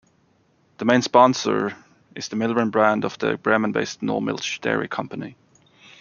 The main sponsor is the Milram brand of the Bremen based Nordmilch dairy company.